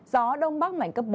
gió đông bắc mảnh cấp bốn năm